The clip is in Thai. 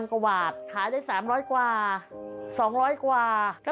ขอบคุณค่ะ